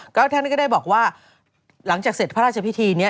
ก็ท่านก็ได้บอกว่าหลังจากเสร็จพระราชพิธีนี้